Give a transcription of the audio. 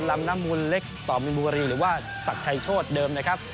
ลำน้ำมูนเล็กต่อไปมุเรศหรือว่าสักชายโชฑเดิมนะครับ